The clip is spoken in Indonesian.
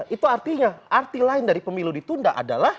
itu artinya arti lain dari pemilu ditunda adalah